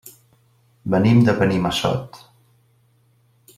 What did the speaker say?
Venim de Benimassot.